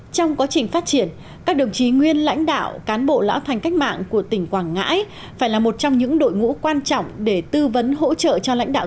trong quá trình phát triển các đồng chí nguyên lãnh đạo cán bộ lão thành cách mạng của tỉnh quảng ngãi phải là một trong những đội ngũ quan trọng để tư vấn hỗ trợ cho lãnh đạo